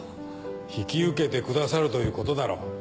引き受けてくださるということだろ。